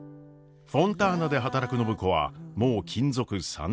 フォンターナで働く暢子はもう勤続３年目。